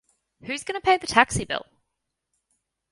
Who's going to pay the taxi bill?